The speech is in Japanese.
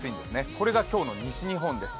これが今日の西日本です。